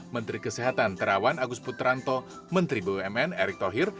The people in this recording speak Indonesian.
menteri kesehatan terawan agus putranto menteri bumn erick thohir